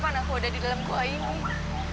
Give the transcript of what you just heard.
sampai kapan aku ada di dalam kuah ini